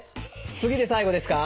次で最後ですか？